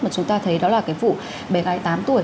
mà chúng ta thấy đó là cái vụ bé gái tám tuổi